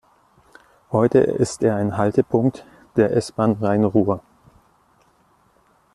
Heute ist er ein Haltepunkt der S-Bahn Rhein-Ruhr.